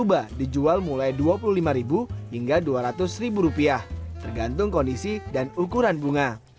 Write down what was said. tuba dijual mulai rp dua puluh lima hingga dua ratus rupiah tergantung kondisi dan ukuran bunga